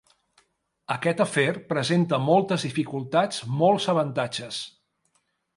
Aquest afer presenta moltes dificultats, molts avantatges.